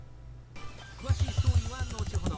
詳しいストーリーは後ほど。